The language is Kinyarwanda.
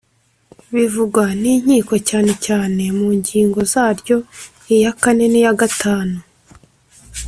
bivugwa n’inkiko cyane cyane mu ngingo zaryo iya kane n’iya gatanu